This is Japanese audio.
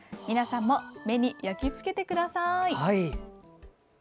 皆さんも目に焼きつけてください！